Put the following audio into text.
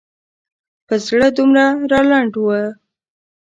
په زړه دومره رالنډ و.